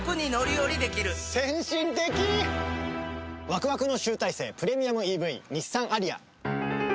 ワクワクの集大成プレミアムＥＶ日産アリア。